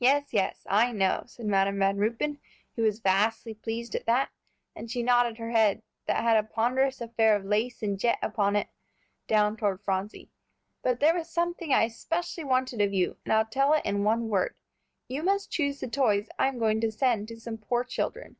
"Yes, yes, I know," said Madam Van Ruypen, who was vastly pleased at that, and she nodded her head, that had a ponderous affair of lace and jet upon it, down toward Phronsie; "but there was something I especially wanted of you, and I'll tell it in one word. You must choose the toys I'm going to send to some poor children."